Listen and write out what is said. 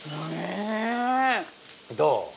◆どう？